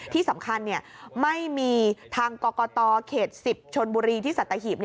ที่สำคัญไม่มีทางกรกตเขต๑๐ชนบุรีที่สัตหีบ